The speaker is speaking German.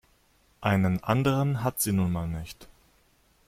Einen anderen hat sie nun mal nicht.